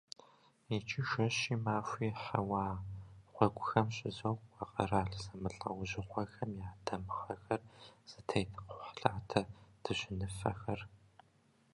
Иджы жэщи махуи хьэуа гъуэгухэм щызокӏуэ къэрал зэмылӏэужьыгъуэхэм я дамыгъэхэр зытет кхъухьлъатэ дыжьыныфэхэр.